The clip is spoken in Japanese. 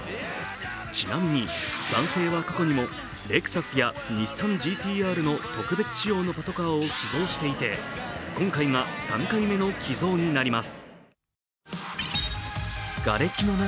ちなみに、男性は過去にもレクサスや日産ＧＴ−Ｒの特別仕様のパトカーを寄贈していて今回が３回目の寄贈になります。